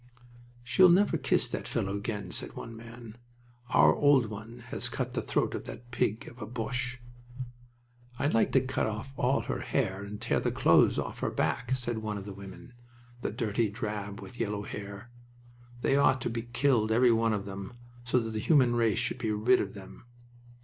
"She'll never kiss that fellow again," said one man. "Our old one has cut the throat of that pig of a Boche!" "I'd like to cut off all her hair and tear the clothes off her back," said one of the women. "The dirty drab with yellow hair! They ought to be killed, every one of them, so that the human race should by rid of them!"